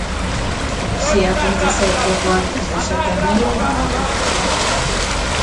Si, aconteceu pouco antes das sete e media da mañá.